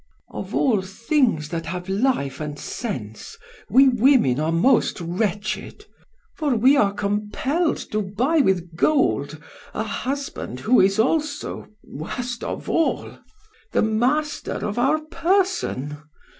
"Of all things that have life and sense we women are most wretched. For we are compelled to buy with gold a husband who is also worst of all! the master of our person.